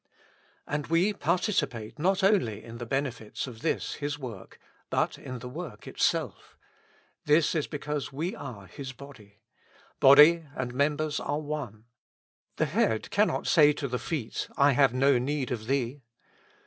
And we participate not only in the benefits of this His work, but in the work itself. This because we are His body. Body and members are one :" The head cannot say to the feet, I have no need of thee."